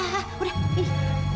hah udah ini